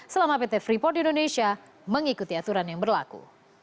selama pt freeport indonesia mengikuti aturan yang berlaku